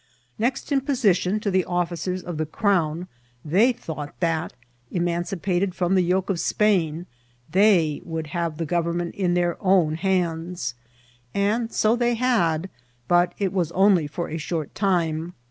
Next in position to the officers of the crown, they thought that, emanci pated from the yoke of Spain, they would have the gov^nment in their own hands; and so they had^ but it was only for a short time.